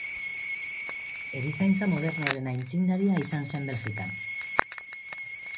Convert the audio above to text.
Erizaintza modernoaren aitzindari izan zen Belgikan.